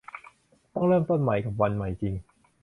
ต้องเริ่มต้นใหม่กับวันใหม่จริง